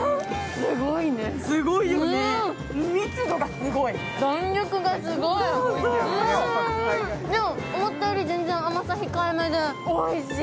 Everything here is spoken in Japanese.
すごいよね密度がすごい弾力がすごいそうそうそうでも思ったより全然甘さ控えめでおいしい！